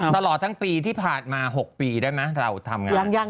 ตลอดทั้งปีที่ผ่านมา๖ปีได้ไหมเราทำงานยัง